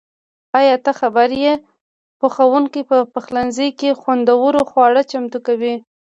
ایا ته خبر یې؟ پخونکي په پخلنځي کې خوندور خواړه چمتو کړي.